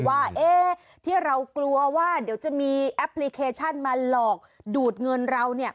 ว่าที่เรากลัวว่าเดี๋ยวจะมีแอปพลิเคชันมาหลอกดูดเงินเรา